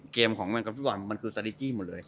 เกมของแมนการ์ฟิฟามันคือสาดิตี้หมดเลย